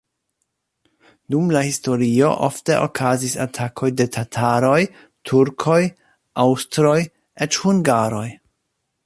Dum la historio ofte okazis atakoj de tataroj, turkoj, aŭstroj, eĉ hungaroj.